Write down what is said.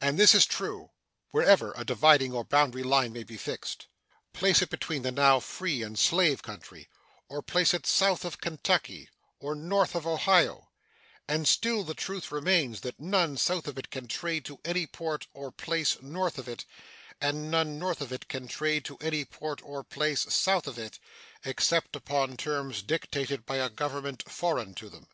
And this is true, wherever a dividing or boundary line may be fixed. Place it between the now free and slave country, or place it south of Kentucky or north of Ohio, and still the truth remains that none south of it can trade to any port or place north of it, and none north of it can trade to any port or place south of it, except upon terms dictated by a government foreign to them.